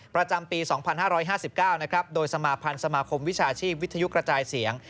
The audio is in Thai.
ประจำปี๒๕๕๙โดยสมาพันธ์สมาคมวิชาชีพวิทยุกระจายเสียง